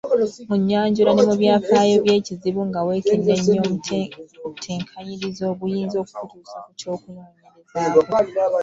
Mu nnyanjula ne mu byafaayo by’ekizibu nga weekeneenya omutetenkanyirizo oguyinza okukutuusa ku ky’onoonyerezaako